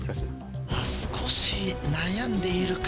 少し悩んでいるか？